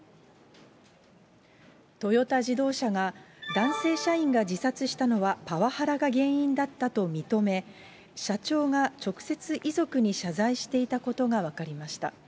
トヨタ自動車が、男性社員が自殺したのはパワハラが原因だったと認め、社長が直接遺族に謝罪していたことが分かりました。